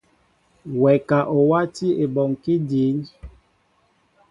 Wɛ ka o wátí ebɔŋkí dǐn.